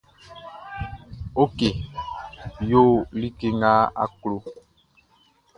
Ok yo like nʼga a klo.